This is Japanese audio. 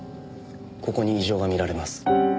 ここに異常が見られます。